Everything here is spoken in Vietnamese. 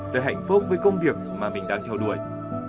tôi hạnh phúc với công việc mà mình đang theo đuổi